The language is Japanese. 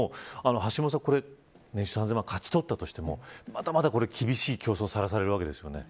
橋下さん、年収３０００万円を勝ち取ったとしてもまだまだ厳しい競争にさらされるわけですね。